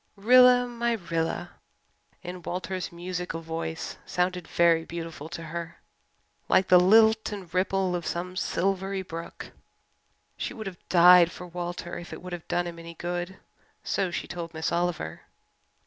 "Rilla my Rilla" in Walter's musical voice sounded very beautiful to her like the lilt and ripple of some silvery brook. She would have died for Walter if it would have done him any good, so she told Miss Oliver.